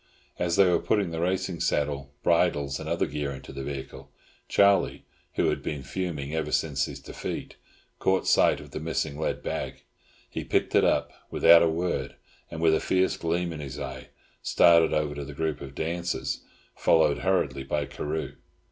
As they were putting the racing saddle, bridles, and other gear into the vehicle, Charlie, who had been fuming ever since his defeat, caught sight of the missing lead bag. He picked it up without a word, and with a fierce gleam in his eye, started over to the group of dancers, followed hurriedly by Carew.